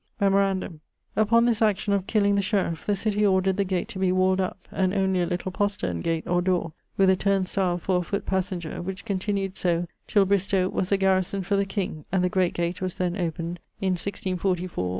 Memorandum: upon this action of killing the sheriffe, the city ordered the gate to be walled up, and only a little posterne gate or dore, with a turnestile for a foot passenger, which continued so till Bristowe was a garrison for the king, and the great gate was then opened, in 1644, or 1645.